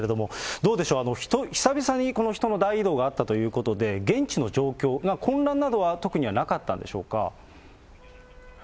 どうでしょう、久々にこの人の大移動があったということで、現地の状況、混乱などは特にはなかったんでしょうか。